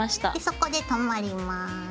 そこで留まります。